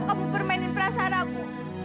enggak kamu permainin perasaan aku